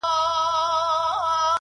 روح مي نو څه وخت مهربانه په کرم نیسې ـ